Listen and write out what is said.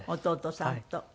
弟さんと。